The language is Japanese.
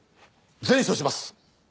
善処します。